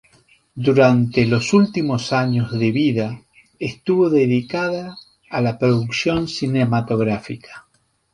Durante los últimos años de vida, estuvo dedicada a la producción cinematográfica.